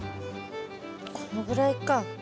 このぐらいか。